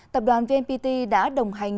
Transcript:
tập đoàn vnpt đã đồng hành